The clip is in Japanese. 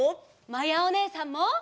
まやおねえさんも。